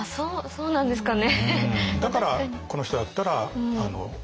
そうなんですかね。